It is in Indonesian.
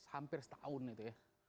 hampir setahun itu ya